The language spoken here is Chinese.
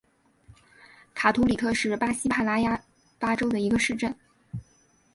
卡图里特是巴西帕拉伊巴州的一个市镇。